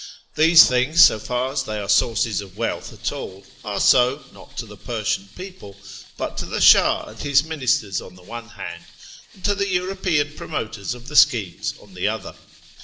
These things, so far as they are sources of wealth at all, are so, not to the Persian people, but to the Shah and his ministers on the one hand, and to the European promoters of the schemes on the other.